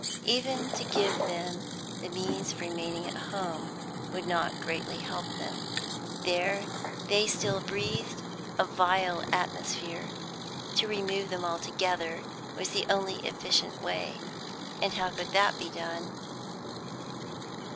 Even to give them the means of remaining at home would not greatly help them; there they still breathed a vile atmosphere. To remove them altogether was the only efficient way, and how could that be done?